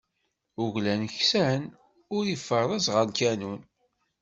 Uglan kksen, ur ifeṛṛez ɣer lkanun.